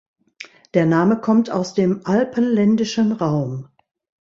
Der Name kommt aus dem alpenländischen Raum.